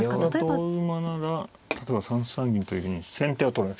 同馬なら例えば３三銀というふうに先手を取る。